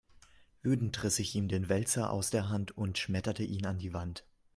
Wütend riss ich ihm den Wälzer aus der Hand und schmetterte ihn an die Wand.